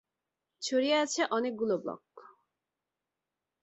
ছড়িয়ে আছে অনেকগুলো ব্লক।